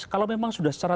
kalau memang sudah secara